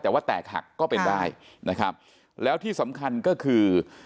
แต่ว่าแตกหักก็เป็นได้นะครับแล้วที่สำคัญก็คือ